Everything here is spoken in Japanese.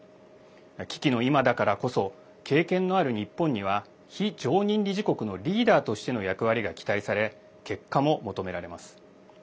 危機の今だからこそ経験のある日本には非常任理事国のリーダーとしての役割が期待され結果も求められます。